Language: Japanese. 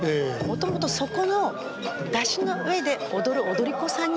もともとそこの山車の上で踊る踊り子さんに憧れまして